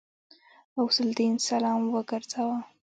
غوث الدين سلام وګرځاوه.